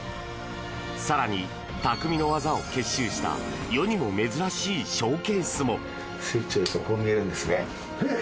更に、たくみの技を結集した世にも珍しいショーケースも！